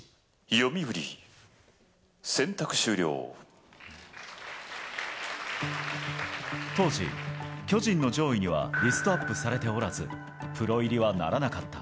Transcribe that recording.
読売、当時、巨人の上位にはリストアップされておらず、プロ入りはならなかった。